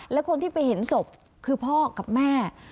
และคนที่ไปเห็นศพคือพ่อกับแม่